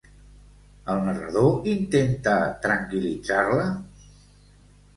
El narrador intenta tranquil·litzar-la?